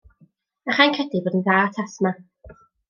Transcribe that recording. Mae rhai'n credu eu bod yn dda at asma.